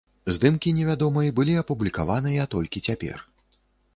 Здымкі невядомай былі апублікаваныя толькі цяпер.